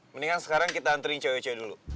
mendingan sekarang kita antriin cewek cewek dulu